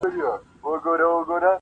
چا له دم چا له دوا د رنځ شفا سي,